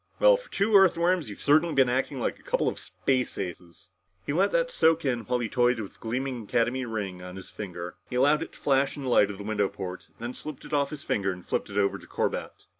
"Well, for two Earthworms, you've certainly been acting like a couple of space aces!" He let that soak in while he toyed with the gleaming Academy ring on his finger. He allowed it to flash in the light of the window port, then slipped it off and flipped it over to Corbett.